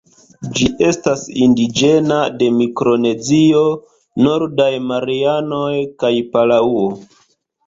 Ĝi estas indiĝena de Mikronezio, Nordaj Marianoj kaj Palaŭo.